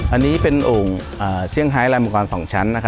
อันนี้เป็นโอ่งเซียงไฮท์แรมลงกรรม๒ชั้น